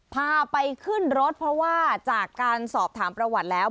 พาไปขึ้นรถเพราะว่าจากการสอบถามประวัติแล้ว